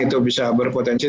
itu bisa berpotensi